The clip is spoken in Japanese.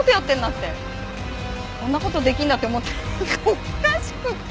こんな事できるんだって思ってなんかおかしくって。